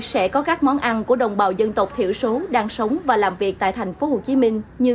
sẽ có các món ăn của đồng bào dân tộc thiểu số đang sống và làm việc tại thành phố hồ chí minh như